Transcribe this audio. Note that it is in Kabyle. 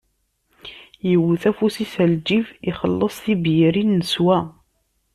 Iwwet afus-is ɣer lǧib-is, ixelles tibyirin neswa.